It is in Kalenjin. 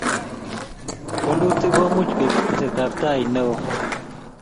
Walutik ko much koip tesetaptai ne o